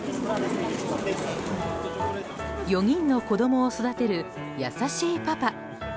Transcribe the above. ４人の子供を育てる優しいパパ。